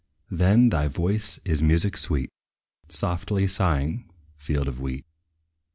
Then, thy voice is music sweet, Softly sighing field of wheat.